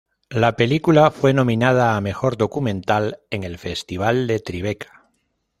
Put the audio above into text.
La película fue nominada a mejor documental en el Festival de Tribeca.